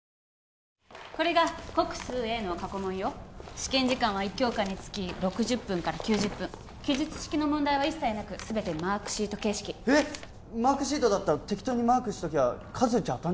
試験時間は１教科につき６０分から９０分記述式の問題は一切なく全てマークシート形式マークシートだったら適当にマークしときゃ数撃ちゃ当たんじゃね？